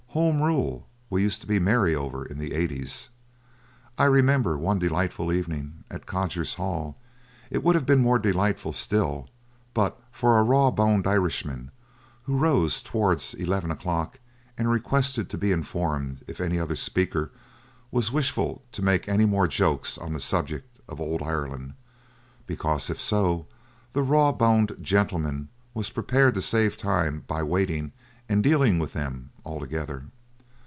Home Rule we used to be merry over in the eighties. I remember one delightful evening at the Codgers' Hall. It would have been more delightful still, but for a raw boned Irishman, who rose towards eleven o'clock and requested to be informed if any other speaker was wishful to make any more jokes on the subject of Ould Ireland; because, if so, the raw boned gentleman was prepared to save time by waiting and dealing with them altogether.